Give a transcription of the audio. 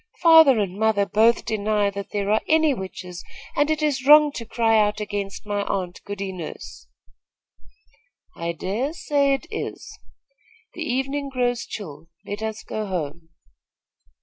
"Father and mother both deny that there are any witches, and it is wrong to cry out against my aunt, Goody Nurse." "I dare say it is. The evening grows chill. Let us go home."